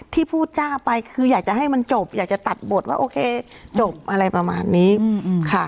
ที่พูดจ้าไปคืออยากจะให้มันจบอยากจะตัดบทว่าโอเคจบอะไรประมาณนี้ค่ะ